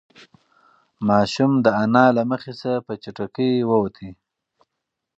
ماشوم د انا له مخې څخه په چټکۍ ووت.